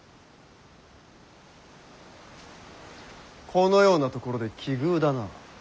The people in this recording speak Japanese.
このような所で奇遇だな。